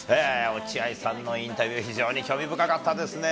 落合さんのインタビュー、非常に興味深かったですね。